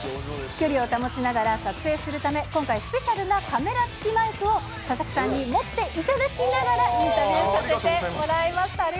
距離を保ちながら撮影するため、今回、スペシャルなカメラ付きマイクを佐々木さんに持っていただきながら、インタビューさせてもらいました。